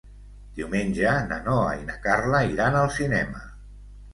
Diumenge na Noa i na Carla iran al cinema.